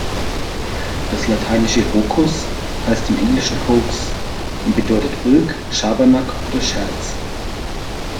Das lateinische „hocus“ heißt im Englischen „hoax“ und bedeutet Ulk, Schabernack oder Scherz.